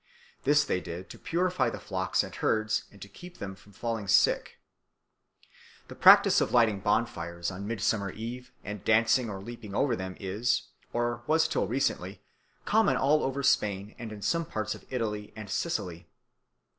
This they did to purify the flocks and herds and to keep them from falling sick. The practice of lighting bonfires on Midsummer Eve and dancing or leaping over them is, or was till recently, common all over Spain and in some parts of Italy and Sicily.